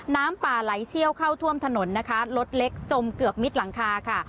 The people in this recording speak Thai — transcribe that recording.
น้ำป่าไหลเชี่ยวเข้าท่วมถนนนะคะรถเล็กจมเกือบมิดหลังคาค่ะ